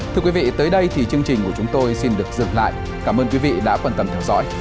thưa quý vị tới đây thì chương trình của chúng tôi xin được dừng lại cảm ơn quý vị đã quan tâm theo dõi